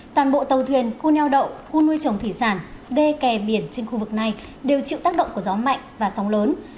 toàn bộ tàu thuyền khu neo đậu khu nuôi trồng thủy sản đê kè biển trên khu vực này đều chịu tác động của gió mạnh và sóng lớn